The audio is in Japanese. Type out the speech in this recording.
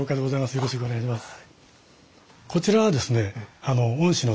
よろしくお願いします。